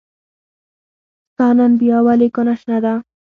ستا نن بيا ولې کونه شنه ده